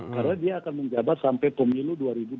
karena dia akan menjabat sampai pemilu dua ribu dua puluh empat